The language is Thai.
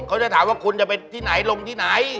เขาจะถามว่าคุณจะไปที่ไหนลงที่ไหน